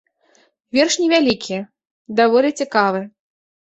Верш невялікі, даволі цікавы.